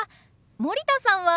森田さんは？